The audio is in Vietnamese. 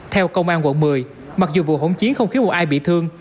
theo công an quận một mươi mặc dù vụ hỗn chiến không khiến một ai bị thương